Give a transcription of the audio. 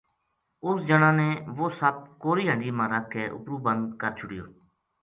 اس جنا نے وہ سپ کَوری ہنڈی ما رکھ کے اُپرو بند کر چھُڑیو